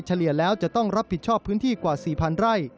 เลี่ยแล้วจะต้องรับผิดชอบพื้นที่กว่า๔๐๐ไร่